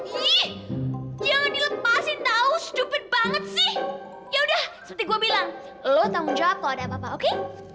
iih jangan dilepasin tahu stupid banget sih ya udah seperti gue bilang lo tanggung jawab kalau ada apa apa oke